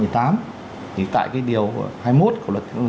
thì tại cái điều hai mươi một của luật tín ngưỡng